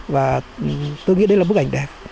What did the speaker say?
và tôi nghĩ đấy là bức ảnh đẹp